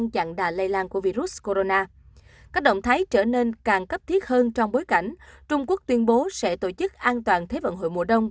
các động thái trở nên càng cấp thiết hơn trong bối cảnh trung quốc tuyên bố sẽ tổ chức an toàn thế vận hội mùa đông